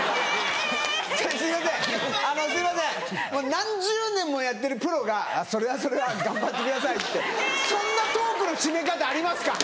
何十年もやってるプロが「それはそれは頑張ってください」ってそんなトークの締め方ありますか？